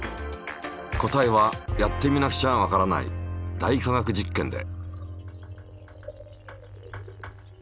答えはやってみなくちゃわからない「大科学実験」で。